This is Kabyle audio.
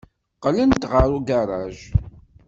Qqlent ɣer ugaṛaj.